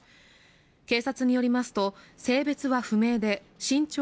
警察によりますと性別は不明で身長